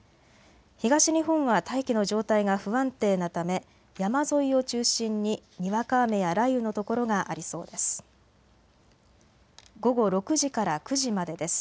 東日本は大気の状態が不安定なため山沿いを中心ににわか雨や雷雨の所がありそうです。